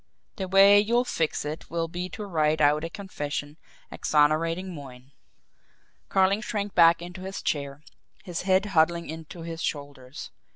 "The way you'll fix it will be to write out a confession exonerating Moyne." Carling shrank back into his chair, his head huddling into his shoulders.